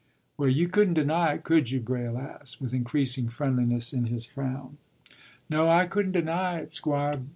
” “Well, you couldn't deny it, could you?” Braile asked, with increasing friendliness in his frown. “No, I couldn't deny it, Squire.